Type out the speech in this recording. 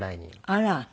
あら。